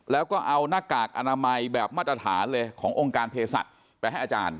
แล้วก็เอาหน้ากากอนามัยแบบมาตรฐานเลยขององค์การเพศสัตว์ไปให้อาจารย์